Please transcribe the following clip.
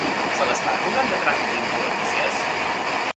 Se l'està acusant de tràfic d'influències?